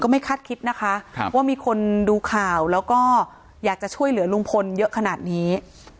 ไม่คาดคิดนะคะว่ามีคนดูข่าวแล้วก็อยากจะช่วยเหลือลุงพลเยอะขนาดนี้